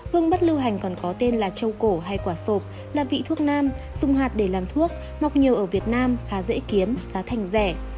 hương bất lưu hành còn có tên là châu cổ hay quả sộp là vị thuốc nam dùng hạt để làm thuốc mọc nhiều ở việt nam khá dễ kiếm giá thành rẻ